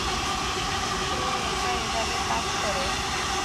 তো, এটা এভাবে কাজ করে।